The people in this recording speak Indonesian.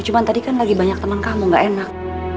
cuma tadi kan lagi banyak temen kamu gak enak